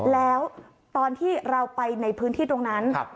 แล้วตอนที่เราไปในพื้นที่ตรงนั้น